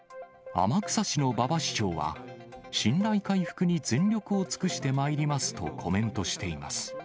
天草市の馬場市長は信頼回復に全力を尽くしてまいりますとコメントしています。